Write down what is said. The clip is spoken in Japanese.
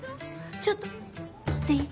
ちょっと撮っていい？